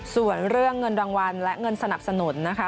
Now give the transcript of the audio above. ส่วนเรื่องเงินรางวัลและเงินสนับสนุนนะคะ